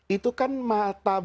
itu kan mata mudiknya